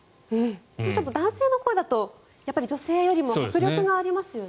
男性の声だと女性よりも迫力がありますよね。